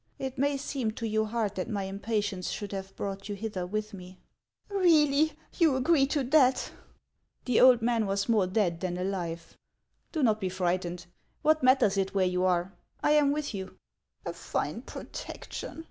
It may seem to you hard that my impatience should have brought you hither with rue." " Really, you agree to that !" The old man was more dead than alive. " Do not be frightened. What matters it where you are ? I am with you." " A fine protection